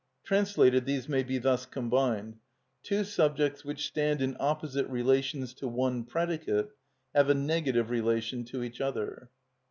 Translated these may be thus combined: Two subjects which stand in opposite relations to one predicate have a negative relation to each other.